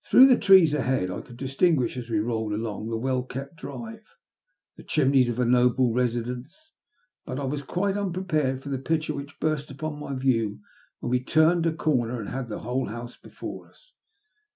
Through the trees ahead I could distinguish, as we rolled along the well kept drive, the chimneys of a noble residence ; but I was quite unprepared for the picture which burst upon my view when we turned a corner and had the whole house before us.